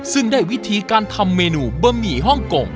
ซึ่งได้วิธีการทำเมนูบะหมี่ฮ่องกง